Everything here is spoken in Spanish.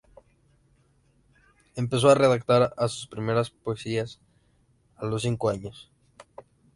Empezó a redactar sus primeras poesías a los cinco años.